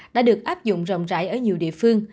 đã được áp dụng rộng rãi ở nhiều địa phương